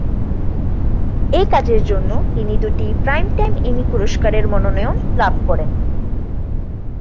এই কাজের জন্য তিনি দুটি প্রাইমটাইম এমি পুরস্কারের মনোনয়ন লাভ করেন।